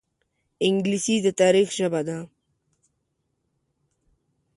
انګلیسي د تاریخ ژبه ده